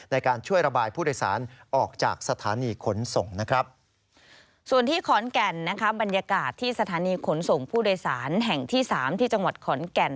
ในการช่วยระบายผู้โดยสารออกจากสถานีขนส่งนะครับส่วนที่ขอนแก่นนะคะบรรยากาศที่สถานีขนส่งผู้โดยสารแห่งที่สามที่จังหวัดขอนแก่น